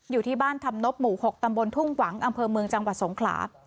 อยู่ที่บ้านธรรมนบหมู่๖ตำบลทุ่งหวังอำเภอเมืองจังหวัดสงขลา